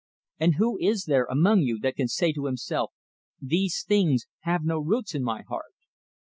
And who is there among you that can say to himself, these things have no roots in my heart?